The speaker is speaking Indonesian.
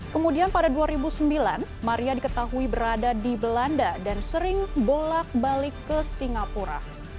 kemudian pada dua ribu sembilan maria diketahui berada di belanda dan sering bolak balik ke singapura